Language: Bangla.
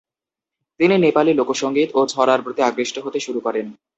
তিনি নেপালি লোকসঙ্গীত ও ছড়ার প্রতি আকৃষ্ট হতে শুরু করেন।